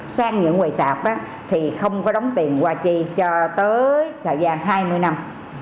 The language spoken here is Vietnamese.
sang những quầy sạp thì không có đóng tiền qua chi cho tới thời gian hai mươi năm